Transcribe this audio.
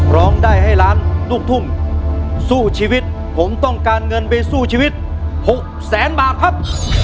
ร้องได้ให้ล้านลูกทุ่งสู้ชีวิตผมต้องการเงินไปสู้ชีวิตหกแสนบาทครับ